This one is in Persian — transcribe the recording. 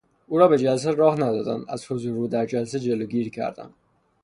او را به جلسه راه ندادند، از حضور او در جلسه جلوگیری کردند.